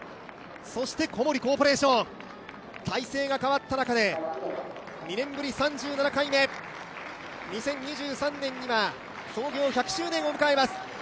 そして小森コーポレーション体制が変わった中で２年ぶり３７回目、２０２３年には創業１００周年を迎えます。